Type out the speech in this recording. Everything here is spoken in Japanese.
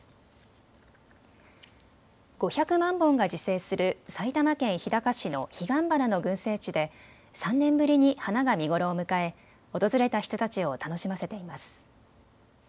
５００万本が自生する埼玉県日高市のヒガンバナの群生地で３年ぶりに花が見頃を迎え、訪れた人たちを楽しませています。